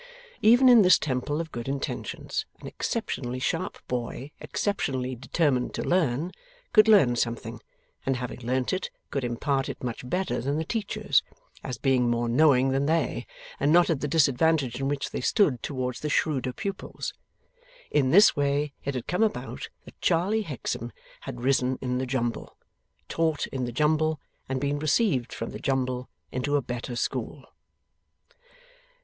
Even in this temple of good intentions, an exceptionally sharp boy exceptionally determined to learn, could learn something, and, having learned it, could impart it much better than the teachers; as being more knowing than they, and not at the disadvantage in which they stood towards the shrewder pupils. In this way it had come about that Charley Hexam had risen in the jumble, taught in the jumble, and been received from the jumble into a better school.